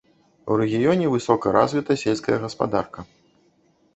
У рэгіёне высока развіта сельская гаспадарка.